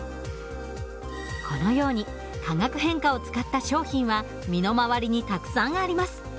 このように化学変化を使った商品は身の回りにたくさんあります。